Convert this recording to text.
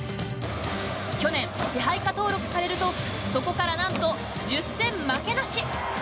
去年、支配下登録されるとそこからなんと１０戦負けなし。